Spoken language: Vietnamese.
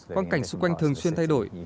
quan cảnh xung quanh thường xuyên thay đổi